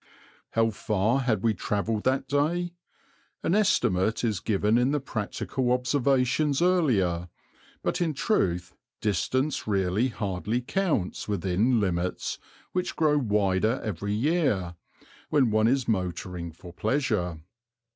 How far had we travelled that day? An estimate is given in the practical observations earlier, but in truth distance really hardly counts within limits which grow wider every year, when one is motoring for pleasure.